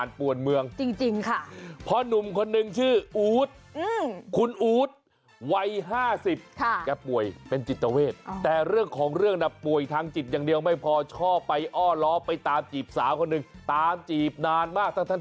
ถือว่าเป็นปีใหม่แล้วกันนะคะ